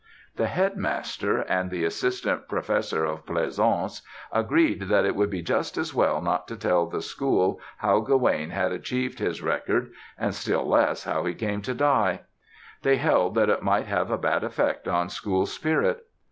The Headmaster and the Assistant Professor of Pleasaunce agreed that it would be just as well not to tell the school how Gawaine had achieved his record and still less how he came to die. They held that it might have a bad effect on school spirit.